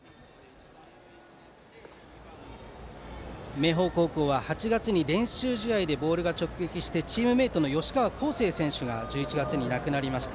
明豊高校は８月に練習試合でボールが直撃してチームメートの吉川孝成選手が１１月になくなりました。